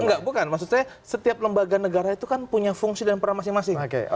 enggak bukan maksud saya setiap lembaga negara itu kan punya fungsi dan peran masing masing